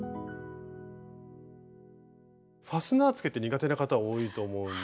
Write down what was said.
ファスナーつけって苦手な方多いと思うんですよ。